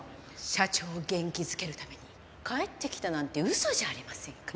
社長を元気づけるために帰ってきたなんてウソじゃありませんか？